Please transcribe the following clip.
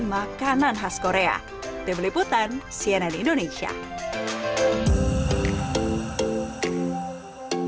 masukan running water atau air bersih dan oderir allegro